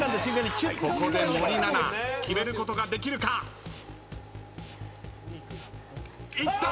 ここで森七菜決めることができるか？いった！